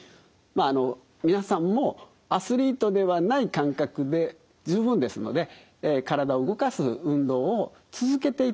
あの皆さんもアスリートではない感覚で十分ですので体を動かす運動を続けていただきたいと。